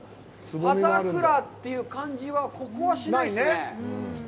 葉桜という感じはここはしないですね。